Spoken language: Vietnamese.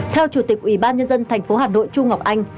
theo chủ tịch ủy ban nhân dân tp hà nội trung ngọc anh